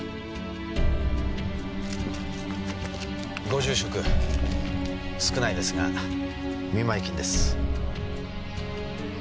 ご住職少ないですが見舞金です。